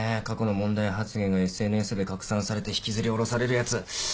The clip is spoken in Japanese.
過去の問題発言がＳＮＳで拡散されて引きずり降ろされるやつ。